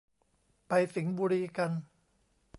ไปสิงห์บุรีกัน